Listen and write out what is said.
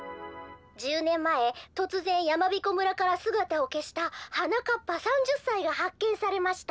やまびこ村からすがたをけしたはなかっぱ３０さいがはっけんされました」。